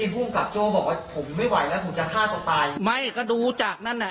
คือได้ยินภูมิกับโจ้บอกว่า